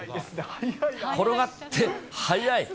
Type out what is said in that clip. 転がって、速い。